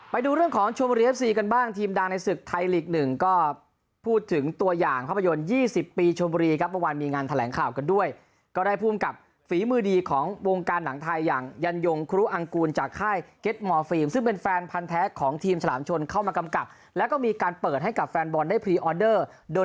ไปดูเรื่องของชมบุรีเอฟซีกันบ้างทีมดังในศึกไทยลีก๑ก็พูดถึงตัวอย่างภาพยนตร์๒๐ปีชมบุรีครับเมื่อวานมีงานแถลงข่าวกันด้วยก็ได้ภูมิกับฝีมือดีของวงการหนังไทยอย่างยันยงครูอังกูลจากค่ายเก็ตมอร์ฟิล์มซึ่งเป็นแฟนพันธ์แท้ของทีมฉลามชนเข้ามากำกับแล้วก็มีการเปิดให้กับแฟนบอลได้พรีออเดอร์โดย